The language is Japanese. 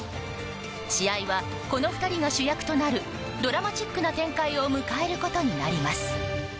試合は、この２人が主役となるドラマチックな展開を迎えることになります。